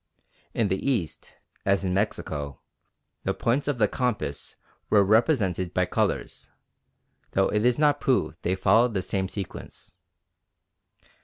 In the East, as in Mexico, the points of the compass were represented by colours, though it is not proved they followed the same sequence.